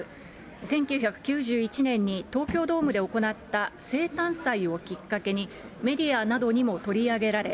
１９９１年に東京ドームで行った生誕祭をきっかけに、メディアなどにも取り上げられ、